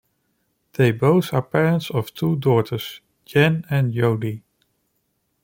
They both are parents of two daughters, Jan and Jodi.